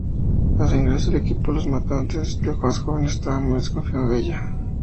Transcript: A su ingreso al equipo, los mutantes más jóvenes estaban muy desconfiado de ella.